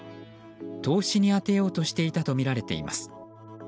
投資に充てようとしていたとみられています。